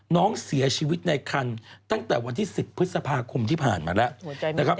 น้องเสียชีวิตในคันตั้งแต่วันที่๑๐พฤษภาคมที่ผ่านมาแล้วนะครับ